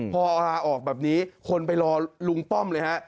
พอลาออกแบบนี้คนไปรอลุงป้อมเลยฮะ